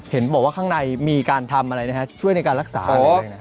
เห็นบอกว่าข้างในมีการทำอะไรนะฮะช่วยในการรักษาอะไรอย่างเงี้ย